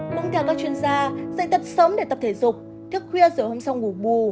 cũng theo các chuyên gia dạy tập sớm để tập thể dục thức khuya rồi hôm sau ngủ bù